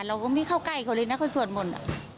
เราก็ไม่เข้าใกล้เขาเลยนะเขาสวดมนต์